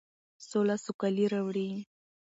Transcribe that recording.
سوله سوکالي راوړي.